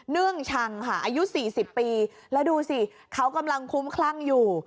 เนื่องชังค่ะอายุ๔๐ปีแล้วดูสิเขากำลังคุ้มคลั่งอยู่